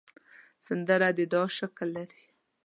سندره د دعا شکل لري